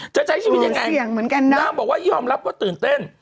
จะใช้ชีวิตยังไงนางบอกว่ายอมรับว่าตื่นเต้น